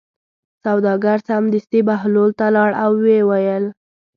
سوداګر سمدستي بهلول ته لاړ او ویې ویل.